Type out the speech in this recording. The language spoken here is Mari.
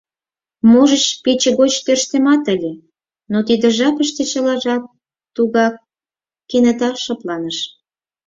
Можыч, пече гоч тӧрштемат ыле, но тиде жапыште чылажат тугак кенета шыпланыш.